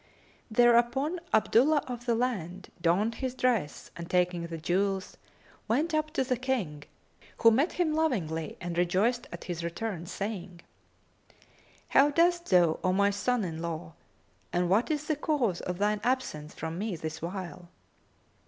Thereupon Abdullah of the Land donned his dress and taking the jewels, went up to the King, who met him lovingly and rejoiced at his return saying, "How dost thou, O my son in law, and what is the cause of thine absence from me this while?"